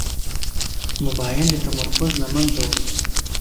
موبایل د تمرکز له منځه وړي.